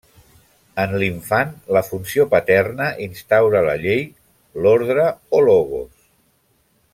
En l'infant la funció paterna instaura la Llei, l'ordre o logos.